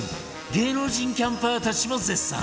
芸能人キャンパーたちも絶賛！